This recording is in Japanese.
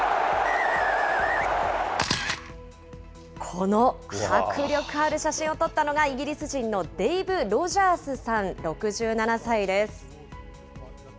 この迫力ある写真を撮ったのがイギリス人のデイブ・ロジャースさん６７歳です。